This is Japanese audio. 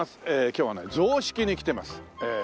今日はね雑色に来てます。